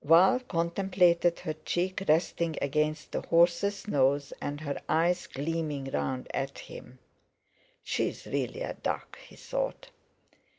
Val contemplated her cheek resting against the horse's nose, and her eyes gleaming round at him. "She's really a duck," he thought.